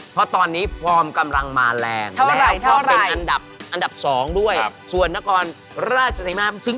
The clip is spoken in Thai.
เพราะตอนนี้ฟอร์มกำลังมาแรง